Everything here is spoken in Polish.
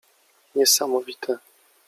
niesamowite.